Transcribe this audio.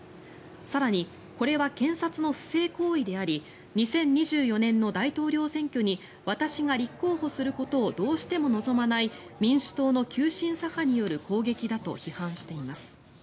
更にこれは検察の不正行為であり２０２４年の大統領選挙に私が立候補することをどうしても望まない民主党の急進左派による攻撃だと批判しています。